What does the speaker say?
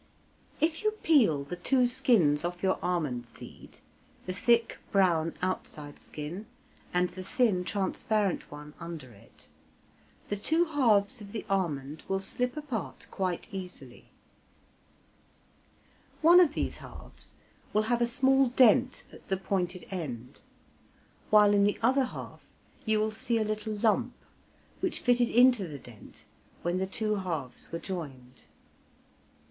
If you peel the two skins off your almond seed (the thick, brown, outside skin, and the thin, transparent one under it), the two halves of the almond will slip apart quite easily. One of these halves will have a small dent at the pointed end, while in the other half you will see a little lump, which fitted into the dent when the two halves were joined.